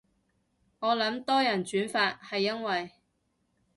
我諗多人轉發係因為